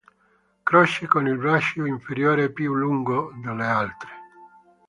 Croce con il braccio inferiore più lungo delle altre.